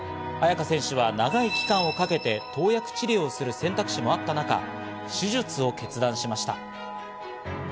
亜矢可選手は長い期間をかけて投薬治療する選択肢もあった中、手術を決断しました。